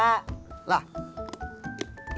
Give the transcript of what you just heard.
warna merah bata